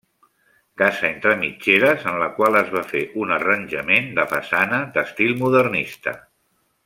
Casa entre mitgeres en la qual es va fer un arranjament de façana d'estil modernista.